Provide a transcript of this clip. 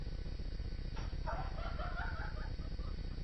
councellor osborn ameweka na amewataka wananchi